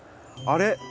あれ？